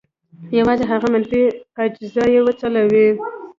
یوازې هغه منفي اجزا یې وځلوي.